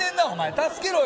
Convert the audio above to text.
助けろよ！